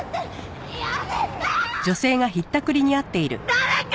誰か！